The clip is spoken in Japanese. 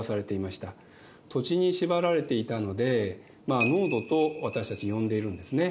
土地に縛られていたので農奴と私たち呼んでいるんですね。